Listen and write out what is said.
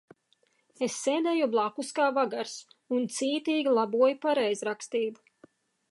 Es sēdēju blakus kā vagars un cītīgi laboju pareizrakstību.